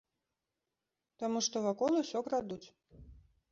Таму, што вакол усё крадуць.